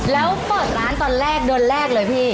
แล้วเปิดร้านตอนแรกเดือนแรกเลยพี่